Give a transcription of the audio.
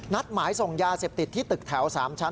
หมายส่งยาเสพติดที่ตึกแถว๓ชั้น